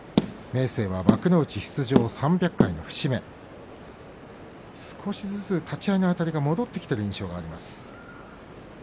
明生は幕内出場３００回の節目少しずつ立ち合いのあたりが戻ってきてる印象があります。